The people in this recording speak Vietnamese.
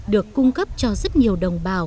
được cung cấp cho rất nhiều đồng bào